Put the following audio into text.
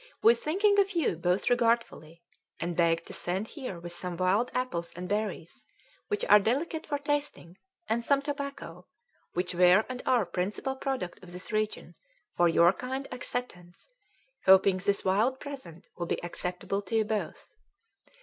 We thinking of you both regardfully & beg to send here with some wild aples & barries which are delicate for tasting & some tobacco which were and are principal product of this region for your kind acceptance hoping this wild present will be acceptable to you both.